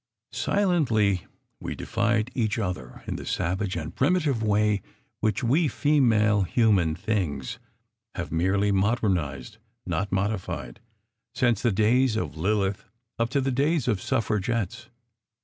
Silently we defied each other in the savage and primi tive way which we female human things have merely modernized, not modified, since the days of Lilith up to the days of suffragettes.